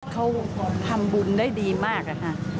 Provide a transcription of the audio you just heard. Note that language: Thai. เขาทำบุญได้ดีมากอะค่ะ